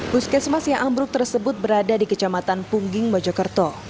puskesmas yang ambruk tersebut berada di kecamatan pungging mojokerto